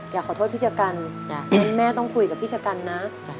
อยากขอโทษพี่ชะกันแม่ต้องคุยกับพี่ชะกันนะ